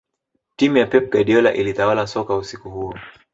timu ya pep guardiola ilitawala soka usiku huo